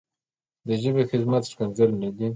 د ژبې خدمت ښکنځل نه دي.